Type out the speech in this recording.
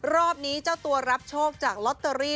รอบนี้เจ้าตัวรับโชคจากลอตเตอรี่